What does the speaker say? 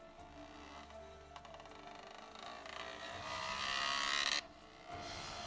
aku mau ke rumah